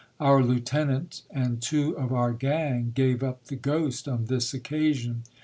Our lieutenant and two of our gang gave up the ghost on this occasion.